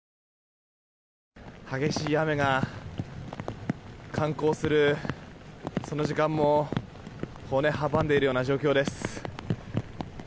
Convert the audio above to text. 激しい雨が観光するその時間も阻んでいるような状況です。